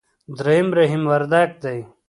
درېم رحيم وردګ دی.